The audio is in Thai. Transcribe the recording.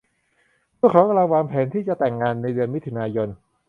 พวกเขากำลังวางแผนที่จะแต่งงานในเดือนมิถุนายน